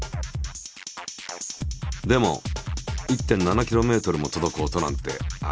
でも１．７ｋｍも届く音なんてあるのかな？